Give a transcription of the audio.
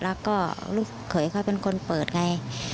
แล้วก็ลูกเขยเขาเป็นคนเปิดไง